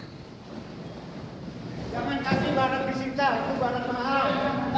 jangan kasih banyak disita itu banyak maaf